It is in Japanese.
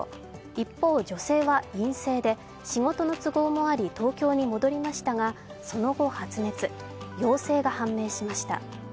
一方、女性は陰性で仕事の都合もあり東京に戻りましたがその後発熱、陽性が判明しました。